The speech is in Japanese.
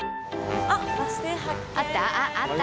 あった？